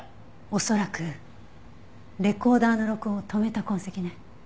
恐らくレコーダーの録音を止めた痕跡ね。